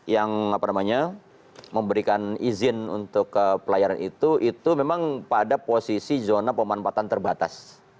yang memberikan izin untuk pelayaran itu itu memang pada posisi zona pemanfaatan terbatas